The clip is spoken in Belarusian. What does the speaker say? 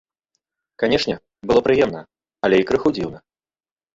Канешне, было прыемна, але і крыху дзіўна.